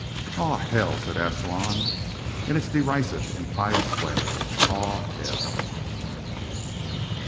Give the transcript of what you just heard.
"Aw, hell!" said Ascalon, in its derisive, impious way; "Aw, hell!"